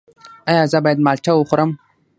ایا زه باید مالټه وخورم؟